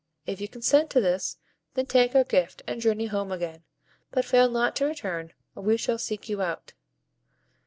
If you consent to this, then take our gift, and journey home again; but fail not to return, or we shall seek you out."